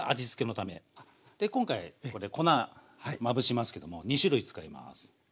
で今回これ粉まぶしますけども２種類使います。